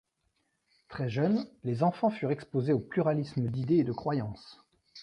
Très jeunes, les enfants furent exposés au pluralisme d'idées et de croyances.